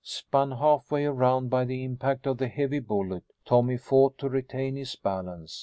Spun half way around by the impact of the heavy bullet, Tommy fought to retain his balance.